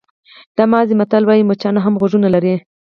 د مازی متل وایي مچان هم غوږونه لري.